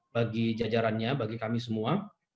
bagi jajarannya bagi kami semua